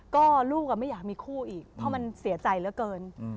ก็ลูกไม่อยากมีคู่อีกเพราะมันเสียใจเหลือเกิน